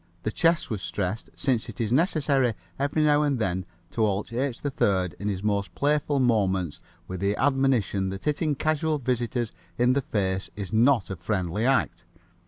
The chest was stressed, since it is necessary every now and then to halt H. 3rd in his most playful moments with the admonition that hitting casual visitors in the face is not a friendly act.